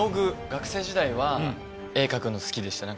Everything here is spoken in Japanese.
学生時代は絵描くの好きでした。